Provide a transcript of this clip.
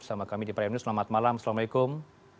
sama kami di prime news selamat malam assalamualaikum